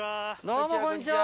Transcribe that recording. どうもこんにちは。